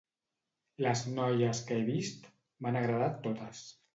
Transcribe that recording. Les noies que he vist, m'han agradat totes.